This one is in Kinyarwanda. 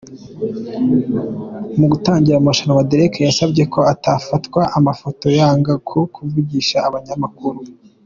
Mu gutangira amarushanwa, Derek yasabye ko atafatwa amafoto, yanga no kuvugisha abanyamakuru.